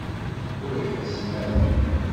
Ur ḥezzen ara.